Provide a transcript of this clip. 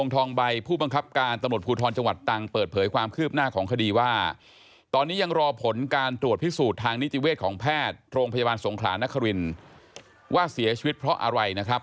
โทรงพยาบาลสงครานนครวินว่าเสียชีวิตเพราะอะไรนะครับ